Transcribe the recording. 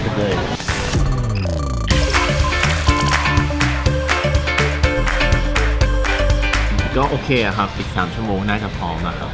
ถูกก็อ่ะค่ะอีก๓ชมน่าจะพร้อมบรรดา